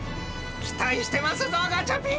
期待してますぞガチャピン。